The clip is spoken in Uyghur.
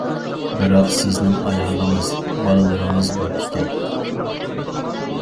بىراق سىزنىڭ ئايالىڭىز، بالىلىرىڭىز بار ئىكەن.